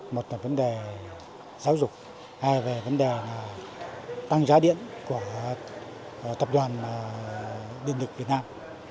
một là vấn đề giáo dục hai về vấn đề là tăng giá điện của tập đoàn điện lực việt nam